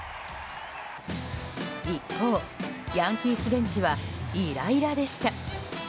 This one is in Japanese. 一方、ヤンキースベンチはイライラでした。